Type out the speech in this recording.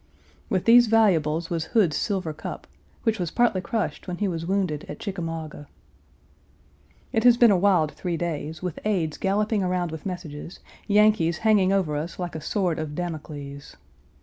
With these valuables was Hood's silver cup, which was partly crushed when he was wounded at Chickamauga. It has been a wild three days, with aides galloping around with messages, Yankees hanging over us like a sword of Damocles.